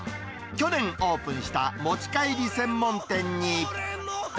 去年オープンした持ち帰り専門店に。